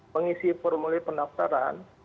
pengisi formulir pendaftaran